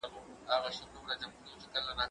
زه باید اوبه وڅښم؟